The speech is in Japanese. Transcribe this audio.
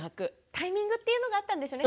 タイミングというのがあったんでしょうね。